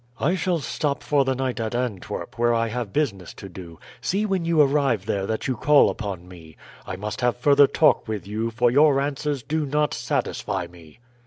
"I shall stop for the night at Antwerp, where I have business to do; see when you arrive there that you call upon me. I must have further talk with you, for your answers do not satisfy me."